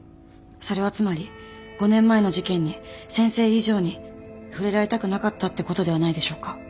それはつまり５年前の事件に先生以上に触れられたくなかったってことではないでしょうか。